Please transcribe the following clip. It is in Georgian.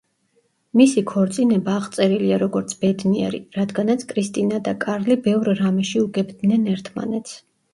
მისი ქორწინება აღწერილია როგორც ბედნიერი, რადგანაც კრისტინა და კარლი ბევრ რამეში უგებდნენ ერთმანეთს.